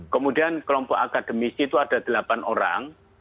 kemudian kelompok akademisi itu ada delapan orang